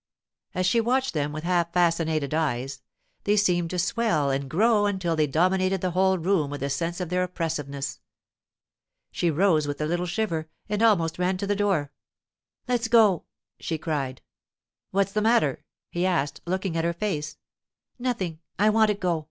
As she watched them with half fascinated eyes, they seemed to swell and grow until they dominated the whole room with the sense of their oppressiveness. She rose with a little shiver and almost ran to the door. 'Let's go!' she cried. 'What's the matter?' he asked, looking at her face. 'Nothing. I want to go.